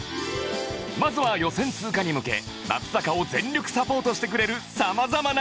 まずは予選通過に向け松坂を全力サポートしてくれるさまざまなゲストたち